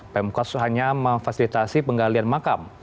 pemkot hanya memfasilitasi penggalian makam